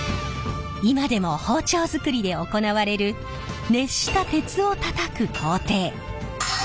今でも包丁づくりで行われる熱した鉄をたたく工程鍛錬。